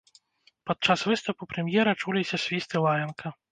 Падчас выступу прэм'ера чуліся свіст і лаянка.